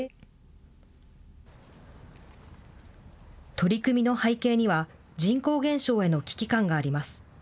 取り組みの背景には、人口減少への危機感があります。